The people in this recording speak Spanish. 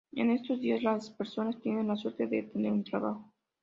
En estos días, las personas tienen la suerte de tener un trabajo.